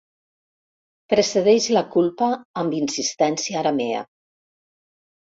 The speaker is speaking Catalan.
Precedeix la culpa amb insistència aramea.